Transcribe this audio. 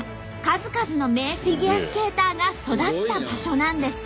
数々の名フィギュアスケーターが育った場所なんです。